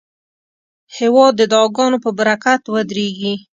هېواد د دعاګانو په برکت ودریږي.